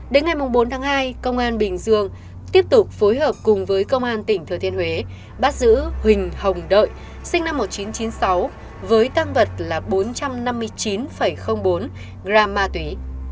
đến ngày bốn tháng hai công an bình dương tiếp tục phối hợp cùng với công an tỉnh thừa thiên huế bắt giữ huỳnh hồng đợi sinh năm một nghìn chín trăm chín mươi sáu với tăng vật là bốn trăm năm mươi chín bốn gram ma túy